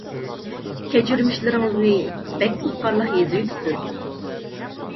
كەچۈرمىشلىرىڭىزنى بەك قىزىقارلىق يېزىۋېتىپسىز.